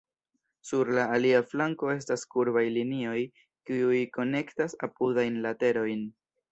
Sur la alia flanko estas kurbaj linioj kiuj konektas apudajn laterojn.